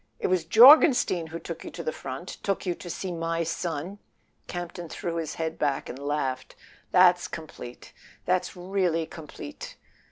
It was Jorgenstein who took you to the front? Took you to see my son?" Campton threw his head back and laughed. "That's complete—that's really complete!"